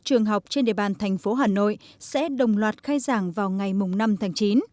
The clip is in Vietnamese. trường học trên địa bàn thành phố hà nội sẽ đồng loạt khai giảng vào ngày năm tháng chín